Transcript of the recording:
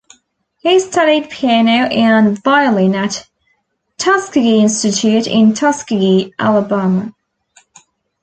He studied piano and violin at Tuskegee Institute in Tuskegee, Alabama.